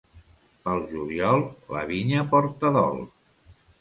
Pel juliol la vinya porta dol.